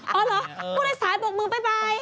อ๋อเหรอพวกโดยสายบอกมึงไปไป